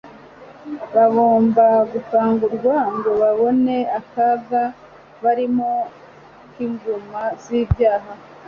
bagomba gukangurwa ngo babone akaga barimo k'inguma z'ibyaha